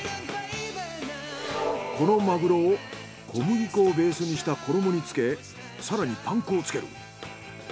このマグロを小麦粉をベースにした衣につけ更にパン粉をつける。